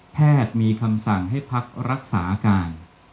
แพทย์มีคำสั่งให้พักรักษาการ